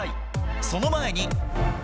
その前に。